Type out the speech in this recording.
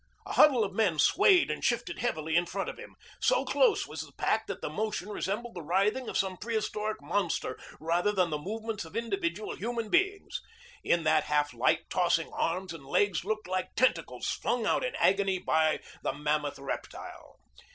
A huddle of men swayed and shifted heavily in front of him. So close was the pack that the motion resembled the writhing of some prehistoric monster rather than the movements of individual human beings. In that half light tossing arms and legs looked like tentacles flung out in agony by the mammoth reptile.